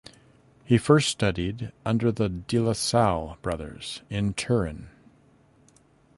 He first studied under the De La Salle Brothers in Turin.